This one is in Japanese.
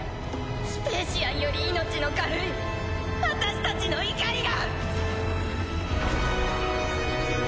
スペーシアンより命の軽い私たちの怒りが！